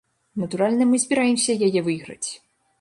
Натуральна, мы збіраемся яе выйграць.